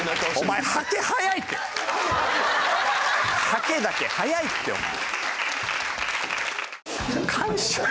ハケだけ早いってお前。